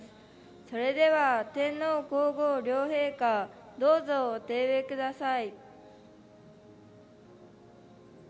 それでは、天皇皇后両陛下どうぞお手植えください。